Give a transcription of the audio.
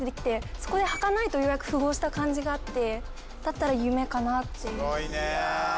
そこで「はかない」とようやく符合した感じがあってだったら「夢」かなってすごいねえ